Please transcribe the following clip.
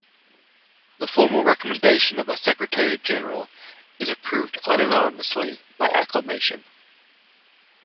The formal recommendation of a Secretary-General is approved unanimously by acclamation.